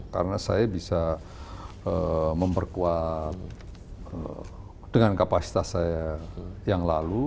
karena saya bisa memperkuat dengan kapasitas saya yang lalu